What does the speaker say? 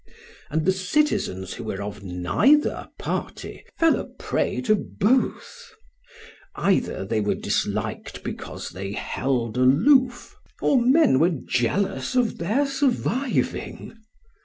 And the citizens who were of neither party fell a prey to both; either they were disliked because they held aloof, or men were jealous of their surviving.